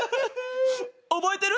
覚えてる？